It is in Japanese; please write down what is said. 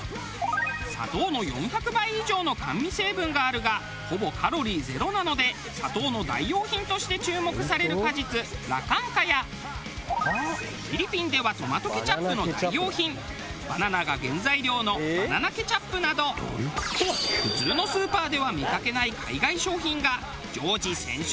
砂糖の４００倍以上の甘味成分があるがほぼカロリーゼロなので砂糖の代用品として注目される果実羅漢果やフィリピンではトマトケチャップの代用品バナナが原材料のバナナケチャップなど普通のスーパーでは見かけない海外商品が常時１０００種類以上。